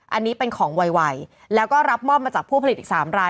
อันนี้เป็นของไวแล้วก็รับมอบมาจากผู้ผลิตอีก๓ราย